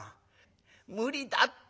無理だって。